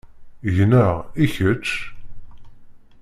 Gneɣ, i kečč?